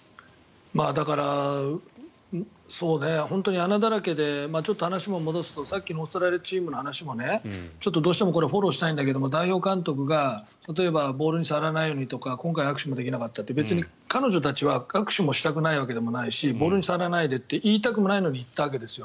だから、本当に穴だらけでちょっと話を戻すとさっきのオーストラリアチームの話もどうしてもフォローしたいんだけど代表監督が例えばボールに触らないようにとか今回、握手もできなかったとか彼女たちは今回握手したくないわけでもないしボールに触らないでって言いたくもないのに言ったわけです。